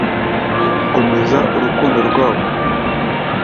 gukomeza urukundo rwabo?